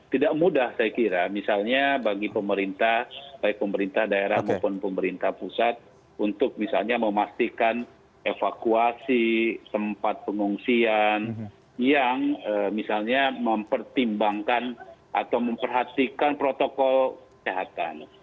tidak mudah saya kira misalnya bagi pemerintah baik pemerintah daerah maupun pemerintah pusat untuk misalnya memastikan evakuasi tempat pengungsian yang misalnya mempertimbangkan atau memperhatikan protokol kesehatan